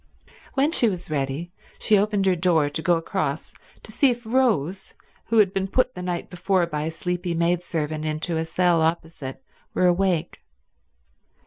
When she was ready she opened her door to go across to see if Rose, who had been put the night before by a sleepy maidservant into a cell opposite, were awake.